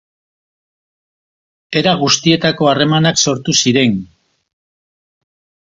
Era guztietako harremanak sortu ziren.